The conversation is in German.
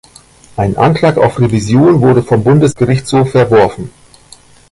Ein Antrag auf Revision wurde vom Bundesgerichtshof verworfen.